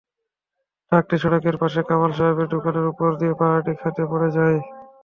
ট্রাকটি সড়কের পাশের কামাল হোসেনের দোকানের ওপর দিয়ে পাহাড়ি খাদে পড়ে যায়।